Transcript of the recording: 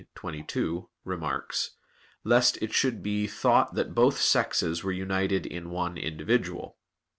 iii, 22) remarks, lest it should be thought that both sexes were united in one individual.